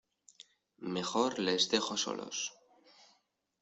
mejor les dejo solos.